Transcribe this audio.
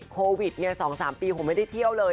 โควิด๒๓ปีผมไม่ได้เที่ยวเลย